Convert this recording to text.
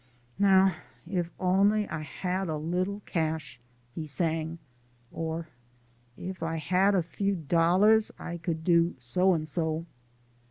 "Now, if only I had a little cash," he sang, or, "If I had a few dollars, I could do so and so."